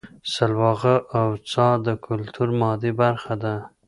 سلواغه او څا د کولتور مادي برخه ده